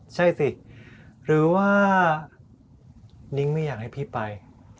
ใช่สิหรือว่านิ้งไม่อยากให้พี่ไป